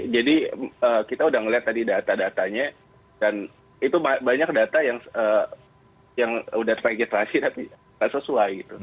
jadi kita sudah melihat tadi data datanya dan itu banyak data yang sudah spagetrasi tapi tidak sesuai